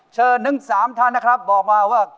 เชิญหนึ่งสามท่านนะครับบอกมาว่า